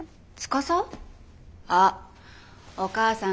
あっお母さん